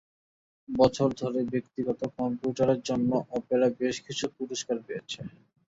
বছর ধরে, ব্যক্তিগত কম্পিউটারের জন্য অপেরা বেশ কিছু পুরস্কার পেয়েছে।